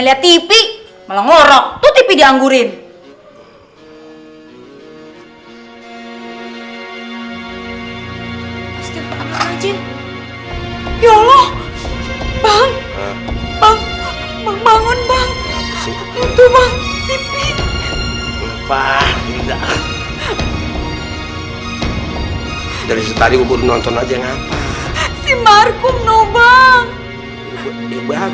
sampai jumpa di video selanjutnya